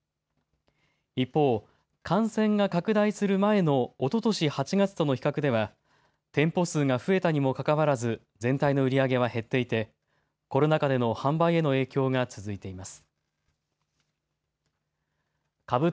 一方、感染が拡大する前のおととし８月との比較では、店舗数が増えたにもかかわらず、全体の売り上げは減っていて、コロナ禍での販売への影響が続いています。